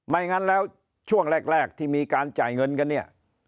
งั้นแล้วช่วงแรกที่มีการจ่ายเงินกันเนี่ย